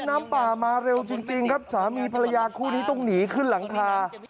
น้ำป่ามาเร็วจริงครับสามีภรรยาคู่นี้ต้องหนีขึ้นหลังคา